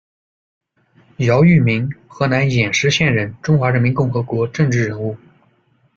姚裕民，河南偃师县人，中华人民共和国政治人物。